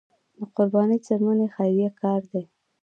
د قربانۍ څرمنې خیریه کار دی